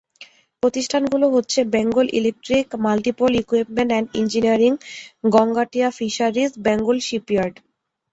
প্রতিষ্ঠানগুলো হচ্ছে Bengal electric, multiple equipment and engineering, গংগাটিয়া ফিশারিজ, বেঙ্গল শিপইয়ার্ড।